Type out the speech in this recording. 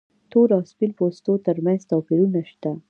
تور او سپین پوستو تر منځ توپیرونه شته.